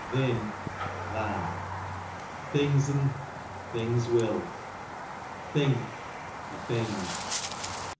Thin, than. Things'n, things will. Think, a thing.